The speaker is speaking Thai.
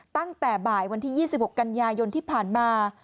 ตั้งแต่บ่ายวันที่๒๖กันยายนที่ผ่านมา